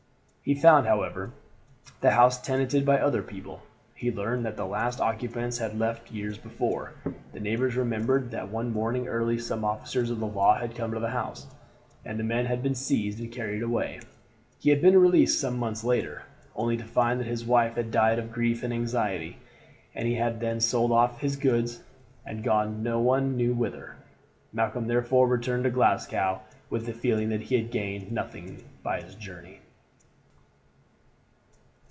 He found, however, the house tenanted by other people. He learned that the last occupants had left years before. The neighbors remembered that one morning early some officers of the law had come to the house, and the man had been seized and carried away. He had been released some months later, only to find that his wife had died of grief and anxiety, and he had then sold off his goods and gone no one knew whither. Malcolm, therefore, returned to Glasgow, with the feeling that he had gained nothing by his journey.